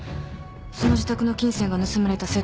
その自宅の金銭が盗まれた窃盗事件。